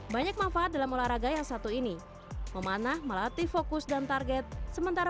banyak manfaat dalam olahraga yang satu ini memanah melatih fokus dan target sementara